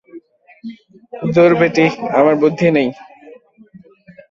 দূর বেটিা আমার বুদ্ধি নেই।